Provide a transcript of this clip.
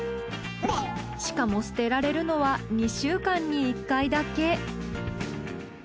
しかも捨てられるのは２週間に１回だけ。